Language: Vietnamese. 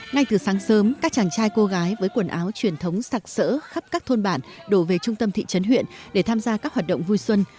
ngay từ sáng sớm các chàng trai cô gái với quần áo truyền thống sạc sỡ khắp các thôn bản đổ về trung tâm thị trấn huyện để tham gia các hoạt động vui xuân